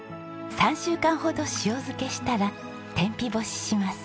３週間ほど塩漬けしたら天日干しします。